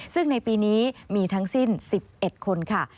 ซึ่งในปีนี้มีทั้งสิ้น๑๑คนค่ะ